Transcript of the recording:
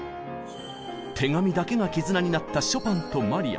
手紙だけが絆になったショパンとマリア。